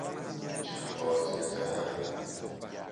چمباتمه زدن